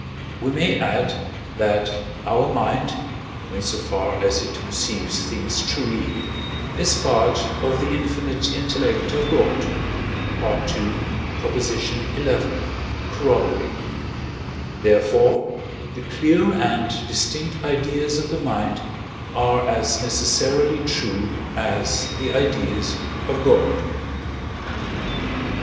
We may add that our mind, in so far as it perceives things truly, is part of the infinite intellect of God (II. xi. Coroll.); therefore, the clear and distinct ideas of the mind are as necessarily true as the ideas of God.